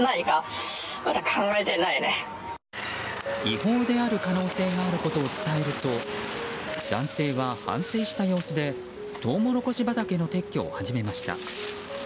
違法である可能性があることを伝えると男性は、反省した様子でトウモロコシ畑の撤去を始めました。